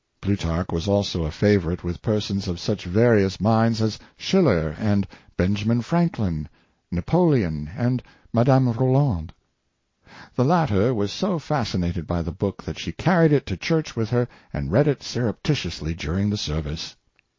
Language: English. Plutarch was also a favorite with persons of such various minds as Schiller and Benjamin Franklin, Napoleon and Madam Roland. The latter was so fas cinated by the book that she carried it to church with her, and read it surreptitiously during the service.